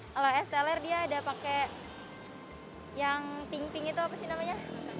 kalau es teler dia ada pakai yang pink pink itu apa sih namanya